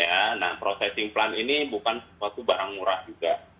ya nah prosesing plant ini bukan suatu barang murah juga